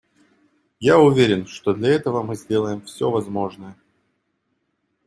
Я уверен, что для этого мы сделаем все возможное.